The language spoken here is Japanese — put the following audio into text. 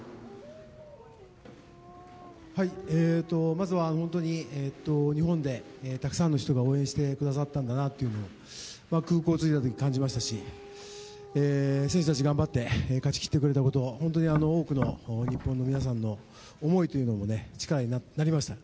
まずは本当に、日本でたくさんの人が応援してくださったんだなというふうに空港に着いた時に感じましたし選手たち頑張って勝ち切ってくれたことは多くの日本の皆さんの思いというのも力になりました。